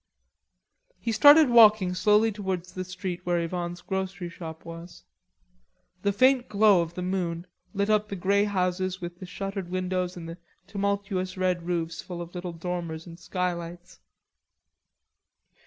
He started walking slowly towards the street where Yvonne's grocery shop was. The faint glow of the moon lit up the grey houses with the shuttered windows and tumultuous red roofs full of little dormers and skylights.